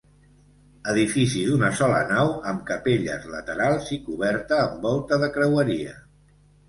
Edifici d'una sola nau amb capelles laterals i coberta amb volta de creueria.